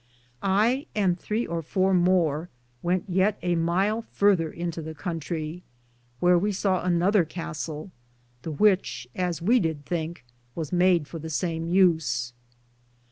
I and 3 or 4 more wente yeat a myle further into the contrie, wheare we saw another castell, the which, as we did thinke, was made for the same use.